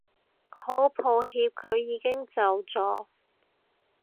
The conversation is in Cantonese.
好抱歉佢已經走咗